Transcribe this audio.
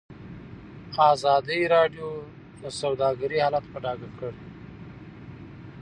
ازادي راډیو د سوداګري حالت په ډاګه کړی.